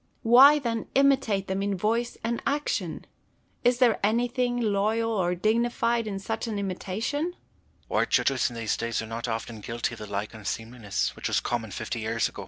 Why then imitate them in voice and action 1 Is there anything lovely or dignified in such an imitation ? Philip Savage. Our judges in these days are not often guilty of the like unseemliness, which was common fifty years ago.